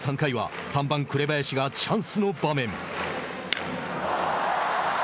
３回は３番紅林がチャンスの場面。